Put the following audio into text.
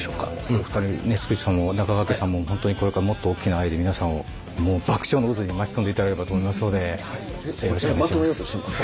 もうすっちーさんも中川家さんも本当にこれからもっと大きな愛で皆さんをもう爆笑の渦に巻き込んでいただければと思いますのでよろしくお願いします。